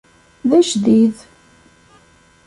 D ajdid.